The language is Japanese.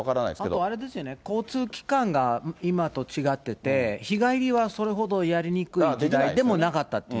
あとあれですよね、交通機関が今と違ってて、日帰りはそれほどやりにくい時代でもなかったっていう。